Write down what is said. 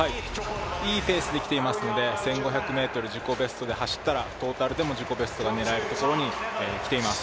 いいペースで来ていますので、１５００ｍ、自己ベストで走ったらトータルでも自己ベストが狙えるところに来ています。